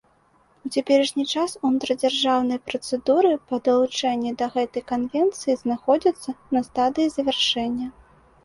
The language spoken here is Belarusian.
У цяперашні час унутрыдзяржаўныя працэдуры па далучэнні да гэтай канвенцыі знаходзяцца на стадыі завяршэння.